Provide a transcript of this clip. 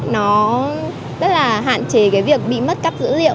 nó rất là hạn chế cái việc bị mất cắp dữ liệu